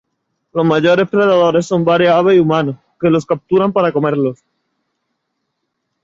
Los mayores predadores son varias aves y humanos, que los capturan para comerlos.